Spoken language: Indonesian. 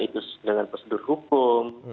itu sedangkan prosedur hukum